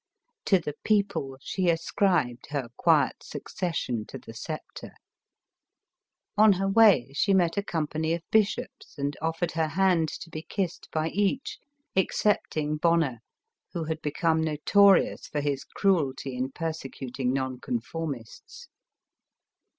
To the people she ascribed her quiet succession to the sceptre. On her way she met a company of bishops, and offered her hand to be ki. sed by each, excepting Bonnerf who had become notorious for his cruelty in persecuting non conformists.